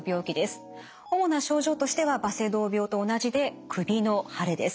主な症状としてはバセドウ病と同じで首の腫れです。